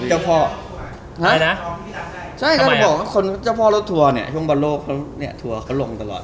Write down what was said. เจ้าพ่อบอกว่าคนเจ้าพ่อรถทัวร์เนี่ยช่วงบอลโลกเนี่ยทัวร์เขาลงตลอด